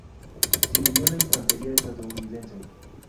Sirvió en la Infantería estadounidense.